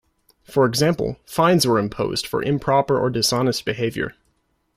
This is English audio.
For example, fines were imposed for improper or dishonest behaviour.